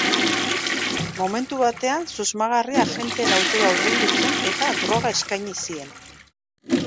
Momentu batean, susmagarria agenteen autora hurbildu zen eta droga eskaini zien.